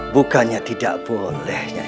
bukannya tidak boleh nyai